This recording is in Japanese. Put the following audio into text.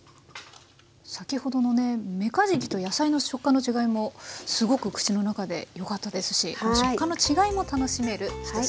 先ほどのねめかじきと野菜の食感の違いもすごく口の中でよかったですし食感の違いも楽しめる１品です。